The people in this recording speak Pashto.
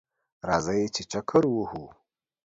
راځئ چه چکر ووهو